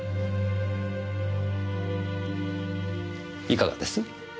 いかがです？